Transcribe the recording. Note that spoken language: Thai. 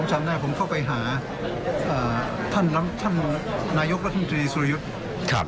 ผมจำหน้าผมเข้าไปหาอ่าท่านน้ำท่านนายกสุริยุทธิ์ครับ